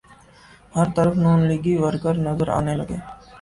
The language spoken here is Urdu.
ہر طرف نون لیگی ورکر نظر آنے لگے۔